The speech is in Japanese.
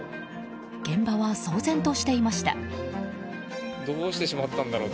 現場は騒然としていました。